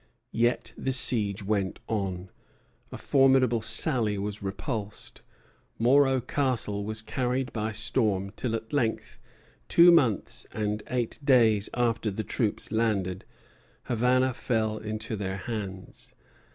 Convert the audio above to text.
Yet the siege went on: a formidable sally was repulsed; Moro Castle was carried by storm; till at length, two months and eight days after the troops landed, Havana fell into their hands.